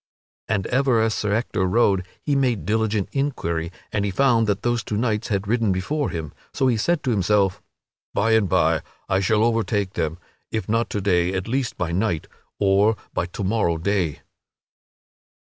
And ever as Sir Ector rode he made diligent inquiry and he found that those two knights had ridden before him, so he said to himself: "By and by I shall overtake them if not to day, at least by night, or by to morrow day."